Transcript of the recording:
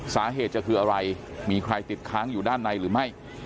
สาเหตุจะคืออะไรมีใครติดค้างอยู่ด้านในหรือไม่